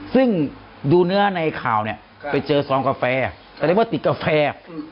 ซึ่งดูเนื้อในข่าวเนี่ยไปเจอซองกาแฟแสดงว่าติดกาแฟ